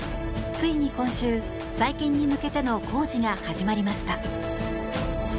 ついに今週、再建に向けての工事が始まりました。